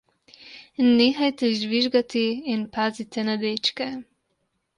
Nehajte žvižgati in pazite na dečke.